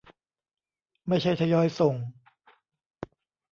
ไม่ใช่ทยอยส่ง